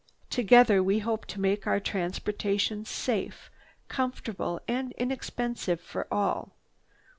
Together we hope to make our transportation safe, comfortable and inexpensive for all.